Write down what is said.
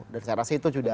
dan saya rasa itu sudah